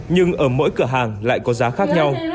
nhưng ở mỗi cửa hàng lại có giá khác nhau